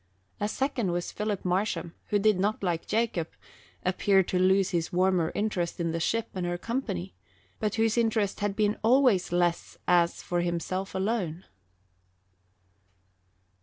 A second was Philip Marsham, who did not, like Jacob, appear to lose his warmer interest in the ship and her company, but whose interest had been always less as for himself alone.